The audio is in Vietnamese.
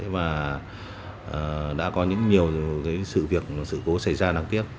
và đã có những nhiều sự việc sự cố xảy ra đáng tiếc